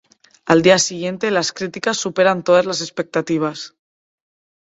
Al día siguiente, las críticas superan todas las expectativas.